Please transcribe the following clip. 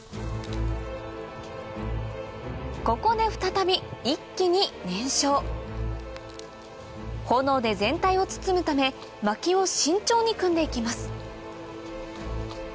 ここで再び一気に燃焼炎で全体を包むため薪を慎重に組んで行きます